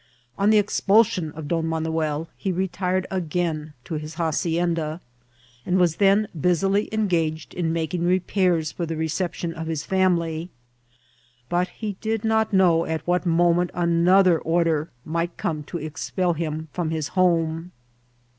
On the expulsion of Don Manuel he retired again to his hacienda, and was then busily engaged in making repairs for the reception of his &m ily ; but he did not know at what moment another or der might come to expel him from his home.